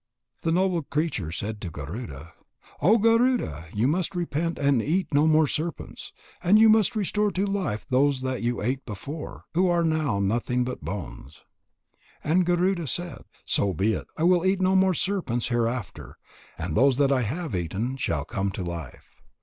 The noble creature said to Garuda: "O Garuda, you must repent and eat no more serpents. And you must restore to life those that you ate before, who now are nothing but bones." And Garuda said: "So be it. I will eat no serpents hereafter. And those that I have eaten shall come to life."